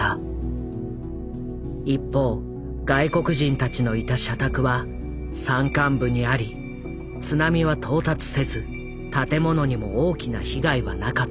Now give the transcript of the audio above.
一方外国人たちのいた社宅は山間部にあり津波は到達せず建物にも大きな被害はなかった。